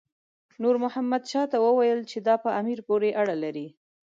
نور محمد شاه ته وویل چې دا په امیر پورې اړه لري.